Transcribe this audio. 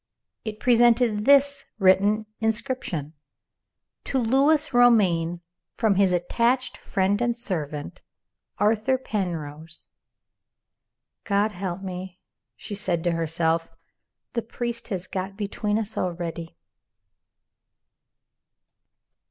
It presented this written inscription: "To Lewis Romayne from his attached friend and servant, Arthur Penrose." "God help me!" she said to herself; "the priest has got between us already!"